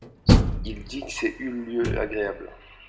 Il dit que c'est ul lieu agréable.